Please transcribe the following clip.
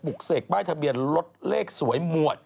กเสกป้ายทะเบียนรถเลขสวยหมวด